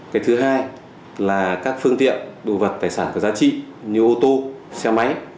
cái thứ hai là các phương tiện đồ vật tài sản có giá trị như ô tô xe máy